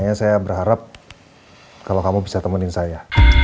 jadi saya berharap kalau kamu bisa menemani saya